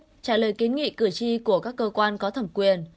trả lời kiến nghị cử tri của các cơ quan có thẩm quyền